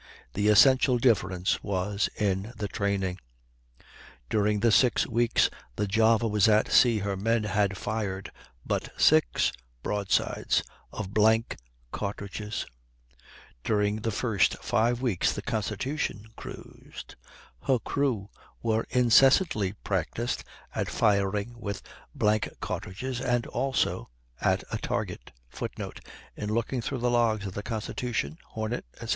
The essential difference was in the training. During the six weeks the Java was at sea her men had fired but six broadsides, of blank cartridges; during the first five weeks the Constitution cruised, her crew were incessantly practised at firing with blank cartridges and also at a target. [Footnote: In looking through the logs of the Constitution, Hornet, etc.